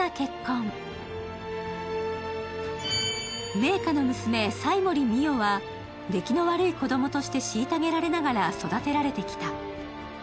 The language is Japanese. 名家の娘、斎森美世は出来の悪い子供として虐げられながら育てられてきた。